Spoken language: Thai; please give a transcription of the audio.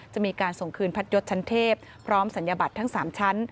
จะมีการส่งคืนพัดยศชั้นเทพพร้อมศัลยบัตรทั้ง๓ชั้น